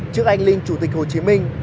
trước anh linh chủ tịch hồ chí minh